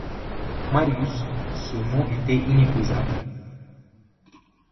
Marius, ce mot était inépuisable.